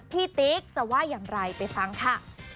พี่ติ๊กจะว่ายังไรไปฟังคะ